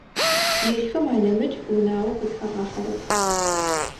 Ежьхэм анэмыкӏ унагъо къызхагъахьэрэп.